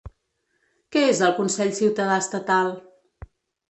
Què és el consell ciutadà estatal?